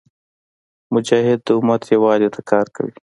مجاهد د امت یووالي ته کار کوي.